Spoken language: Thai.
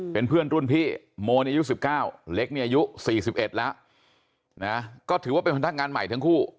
เป็นเพื่อนรุ่นพี่โมนอายุ๑๙เล็กเนี่ยอายุ๔๑แล้วก็ถือว่าเป็นพนักงานใหม่ทั้งคู่